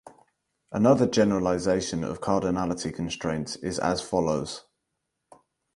Another generalization of cardinality constraints is as follows.